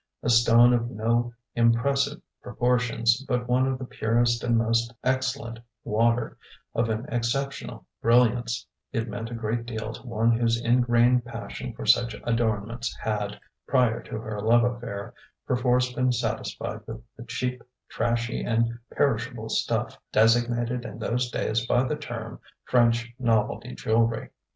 A stone of no impressive proportions, but one of the purest and most excellent water, of an exceptional brilliance, it meant a great deal to one whose ingrained passion for such adornments had, prior to her love affair, perforce been satisfied with the cheap, trashy, and perishable stuff designated in those days by the term "French novelty jewellery."